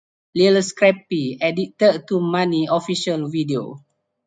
Lil Scrappy "Addicted to Money" Official Video